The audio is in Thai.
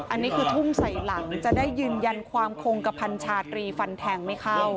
อันนี้คือทุ่มใส่หลังจะได้ยืนยันความคงกระพันชาตรีฟันแทงไม่เข้า